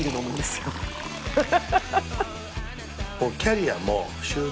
ハハハハ！